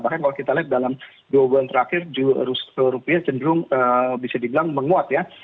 bahkan kalau kita lihat dalam dua bulan terakhir rupiah cenderung bisa dibilang menguat ya